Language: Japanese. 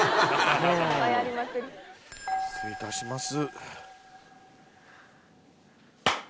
失礼いたします。